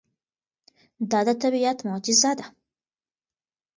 دا د طبیعت معجزه ده.